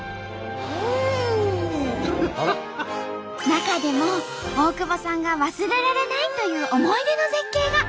中でも大久保さんが忘れられないという思い出の絶景が。